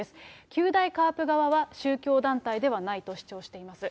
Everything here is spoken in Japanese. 九大カープ側は、宗教団体ではないと主張しています。